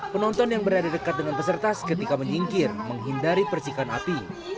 penonton yang berada dekat dengan peserta seketika menyingkir menghindari percikan api